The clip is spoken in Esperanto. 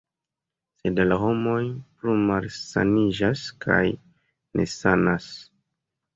Sed la homoj plu malsaniĝas kaj nesanas.